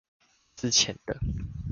資淺的